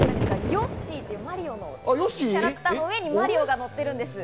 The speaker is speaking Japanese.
ヨッシーというマリオのキャラクターの上にマリオが乗ってます。